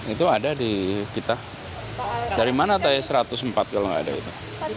itu ada di kita dari mana tadi satu ratus empat kalau nggak ada itu